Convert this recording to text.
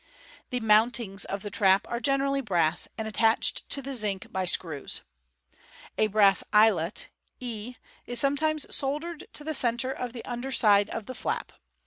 The ''mount ings" of the trap are generally brass, and attached to the zinc by screws. A brass eyelet, e, is sometimes soldered to the centre of the under side of the flap.